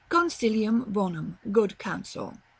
Consilium bonum. Good counsel.